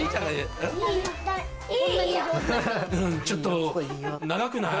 ちょっと長くない？